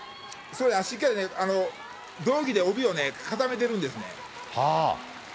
しっかり道着で帯をね、固めてるんですね。